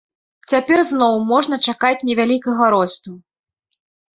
Цяпер зноў можна чакаць невялікага росту.